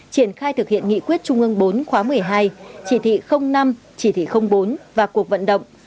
triển khai thực hiện nghị quyết trung ương bốn khóa một mươi hai chỉ thị năm chỉ thị bốn và cuộc vận động